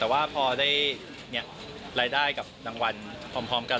แต่ว่าพอได้รายได้กับรางวัลพร้อมกัน